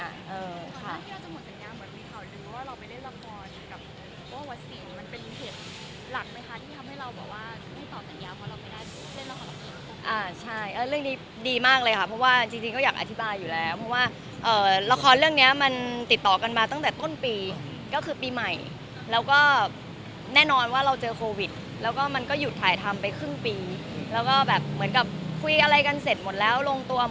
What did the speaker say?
หลักไหมคะที่ทำให้เราบอกว่าไม่ตอบจัดยาวเพราะเราไม่ได้เล่นละครอบครีมอ่าใช่เรื่องนี้ดีมากเลยค่ะเพราะว่าจริงก็อยากอธิบายอยู่แล้วเพราะว่าเอ่อละครเรื่องเนี้ยมันติดต่อกันมาตั้งแต่ต้นปีก็คือปีใหม่แล้วก็แน่นอนว่าเราเจอโควิดแล้วก็มันก็หยุดถ่ายทำไปครึ่งปีแล้วก็แบบเหมือนกับคุยอะไรกันเสร็จหมดแล้ว